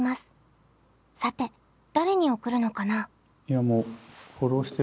さて誰に送るのかな？